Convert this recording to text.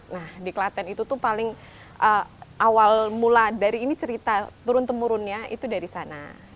nah di klaten itu tuh paling awal mula dari ini cerita turun temurunnya itu dari sana